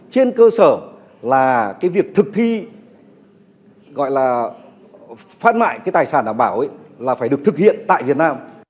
trên cơ sở là việc thực thi phát mại tài sản đảm bảo là phải được thực hiện tại việt nam